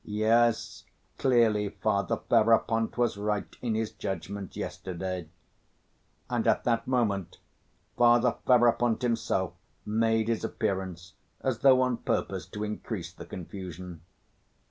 "Yes, clearly Father Ferapont was right in his judgment yesterday," and at that moment Father Ferapont himself made his appearance, as though on purpose to increase the confusion.